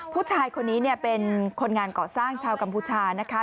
ผู้ชายคนนี้เป็นคนงานเกาะสร้างชาวกัมพูชานะคะ